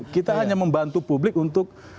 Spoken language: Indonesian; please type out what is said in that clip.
kita hanya membantu publik untuk